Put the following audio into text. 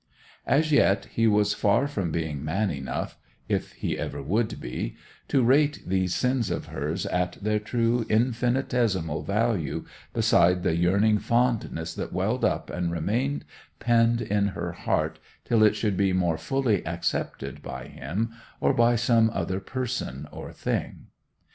As yet he was far from being man enough—if he ever would be—to rate these sins of hers at their true infinitesimal value beside the yearning fondness that welled up and remained penned in her heart till it should be more fully accepted by him, or by some other person or thing.